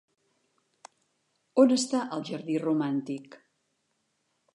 On està el «jardí romàntic»?